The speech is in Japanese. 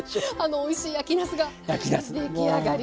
おいしい焼きなすが出来上がりました！